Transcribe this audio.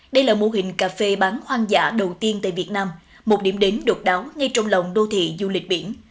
đây là mô hình cafe bán hoang dã đầu tiên tại việt nam một điểm đến đột đáo ngay trong lòng đô thị du lịch biển